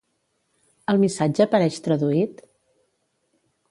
El missatge apareix traduït?